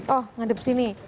oh ngadep sini